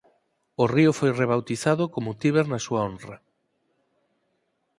O río foi rebautizado como Tíber na súa honra.